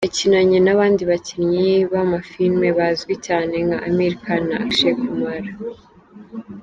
Yakinanye n’abandi bakinnyi b’amafilime bazwi cyane nka Aamir khan na Akshay Kumar.